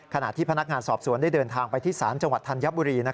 ขณะที่พนักงานสอบสวนได้เดินทางไปที่ศาลจังหวัดธัญบุรี